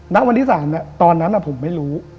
ณวันที่๓ตอนนั้นผมไม่รู้